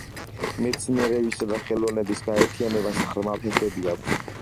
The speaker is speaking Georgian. მეცნიერებისა და ხელოვნების გაერთიანებას ღრმა ფესვები აქვს.